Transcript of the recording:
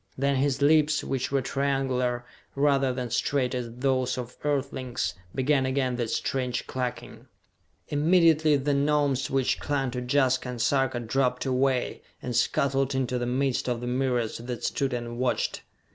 Then his lips, which were triangular, rather than straight as those of Earthlings, began again that strange clucking. Immediately the Gnomes which clung to Jaska and Sarka dropped away, and scuttled into the midst of the myriads that stood and watched.